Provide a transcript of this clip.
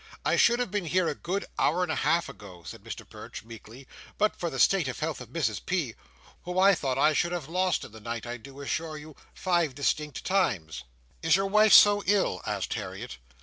I should have been here a good hour and a half ago," said Mr Perch, meekly, "but for the state of health of Mrs P., who I thought I should have lost in the night, I do assure you, five distinct times." "Is your wife so ill?" asked Harriet.